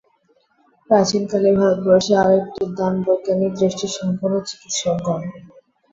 প্রাচীনকালে ভারতবর্ষের আর একটি দান বৈজ্ঞানিক- দৃষ্টিসম্পন্ন চিকিৎসকগণ।